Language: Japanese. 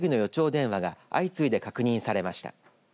電話が相次いで確認されました。